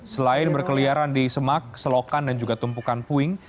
selain berkeliaran di semak selokan dan juga tumpukan puing